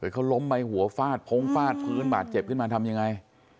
เขาล้มไปหัวฟาดพงฟาดพื้นบาดเจ็บขึ้นมาทำยังไง